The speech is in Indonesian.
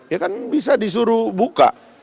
ya kan bisa disuruh buka